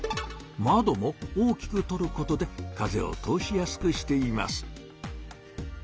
窓も大きくとることで風を通しやすくしています。